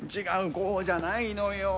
こうじゃないのよ。